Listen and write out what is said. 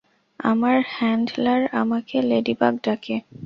আমার হ্যান্ডলার আমাকে লেডিবাগ ডাকে।